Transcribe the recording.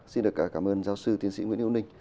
xin được cảm ơn giáo sư tiến sĩ nguyễn hữu ninh